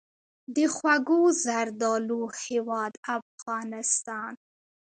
د خوږو زردالو هیواد افغانستان.